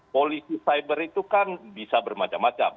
polisi cyber itu kan bisa bermacam macam